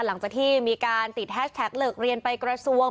หลังจากที่มีการติดแฮชแท็กเลิกเรียนไปกระทรวง